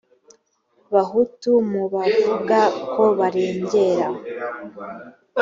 bahutu mu bavuga ko barengera